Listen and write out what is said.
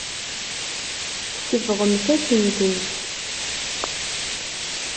Tsebɣemt-asent-tt.